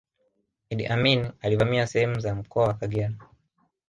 iddi amini alivamia sehemu za mkoa wa kagera